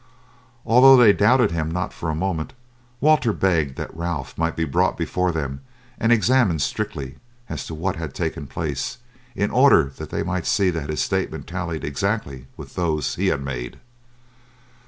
Although they doubted him not for a moment, Walter begged that Ralph might be brought before them and examined strictly as to what had taken place, in order that they might see that his statements tallied exactly with those he had made.